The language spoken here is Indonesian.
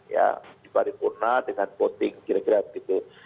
ya di paripurna dengan voting kira kira begitu